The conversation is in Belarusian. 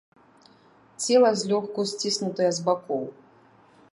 Цела злёгку сціснутае з бакоў.